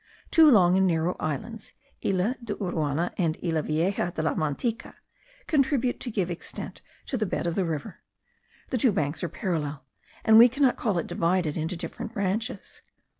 Two long and narrow islands (Isla de Uruana and Isla vieja de la Manteca) contribute to give extent to the bed of the river; the two banks are parallel, and we cannot call it divided into different branches.